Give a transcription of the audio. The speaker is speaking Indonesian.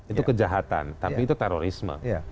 itu kejahatan tapi itu terorisme